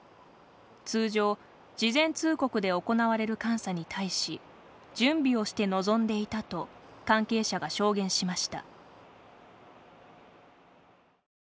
通常、事前通告で行われる監査に対し準備をして臨んでいたと関係者が証言しました。